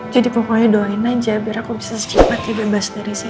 jadi pokoknya doain aja biar aku bisa secepatnya bebas dari sini